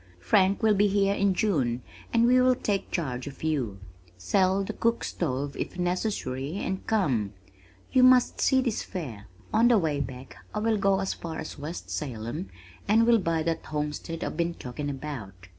"Frank will be here in June and we will take charge of you. Sell the cook stove if necessary and come. You must see this fair. On the way back I will go as far as West Salem and we'll buy that homestead I've been talking about."